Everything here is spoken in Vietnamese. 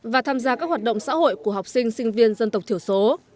và tham gia các hoạt động xã hội của học sinh sinh viên dân tộc thiểu số